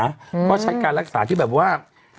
เพราะว่าช่างการรักษาที่แบบว่า